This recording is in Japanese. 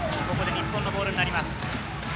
日本のボールになります。